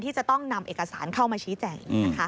จะต้องนำเอกสารเข้ามาชี้แจง